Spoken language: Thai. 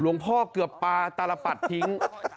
หลวงพ่อเกือบปาตารปัดทิ้ง